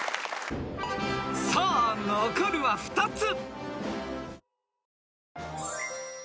［さあ残るは２つ］